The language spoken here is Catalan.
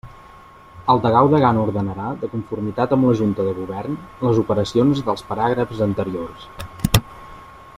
El degà o degana ordenarà, de conformitat amb la Junta de Govern, les operacions dels paràgrafs anteriors.